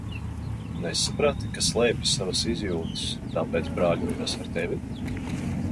Nesaprati, ka slēpju savas izjūtas, tāpēc brāļojos ar tevi?